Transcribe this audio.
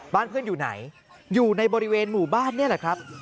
บ้านเพื่อนอยู่ไหนอยู่ในบริเวณหมู่บ้านนี่แหละครับ